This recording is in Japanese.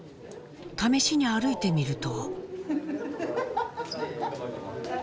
試しに歩いてみると。